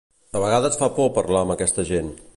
A vegades fa por parlar amb aquesta gent.